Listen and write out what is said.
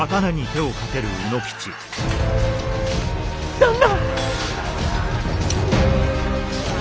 旦那！